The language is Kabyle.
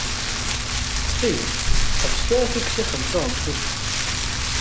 Ttxil-k, ḥbes tura tukksa n ixenčuren s ufus!